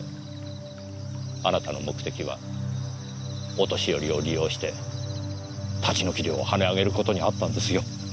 あなたの目的はお年寄りを利用して立ち退き料を跳ね上げることにあったんですよ。